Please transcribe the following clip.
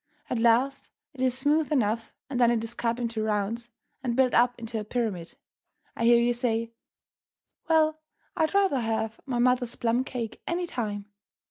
At last it is smooth enough, and then it is cut into rounds and built up into a pyramid. I hear you say, "Well, I'd rather have my mother's plum cake, any time."